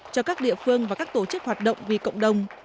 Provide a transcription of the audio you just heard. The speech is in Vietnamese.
cho các địa phương và các tổ chức hoạt động vì cộng đồng